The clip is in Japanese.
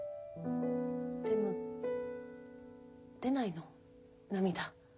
でも出ないの涙。